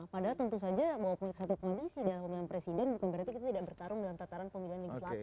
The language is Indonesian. padahal tentu saja bahwa satu koalisi adalah pemilu presiden bukan berarti kita tidak bertarung dalam tataran pemilu legislatif